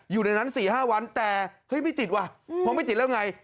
อยู่ในนั้นสี่ห้าวันแต่เฮ้ยไม่ติดว่ะอืมพอไม่ติดแล้วไง